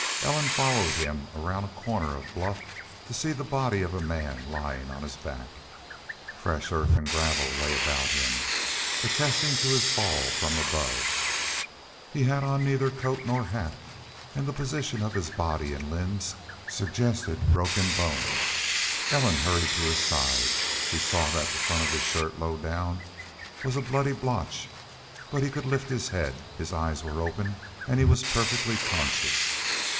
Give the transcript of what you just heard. Ellen followed him around a corner of bluff to see the body of a man lying on his back. Fresh earth and gravel lay about him, attesting to his fall from above. He had on neither coat nor hat, and the position of his body and limbs suggested broken bones. As Ellen hurried to his side she saw that the front of his shirt, low down, was a bloody blotch. But he could lift his head; his eyes were open; he was perfectly conscious.